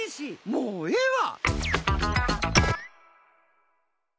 もうええわ！